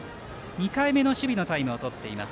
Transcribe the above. ２回目の守備のタイムをとっています。